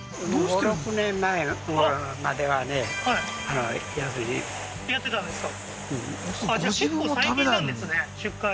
５６年前まではね要するにやってたんですか？